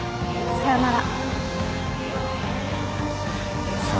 さよなら。